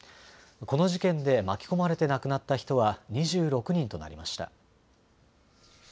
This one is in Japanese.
この事件で巻き込まれて亡くなった人は２６人となりました。